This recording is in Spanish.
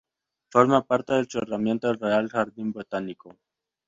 Forma parte del cerramiento del Real Jardín Botánico.